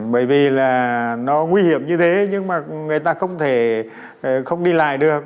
bởi vì là nó nguy hiểm như thế nhưng mà người ta không thể không đi lại được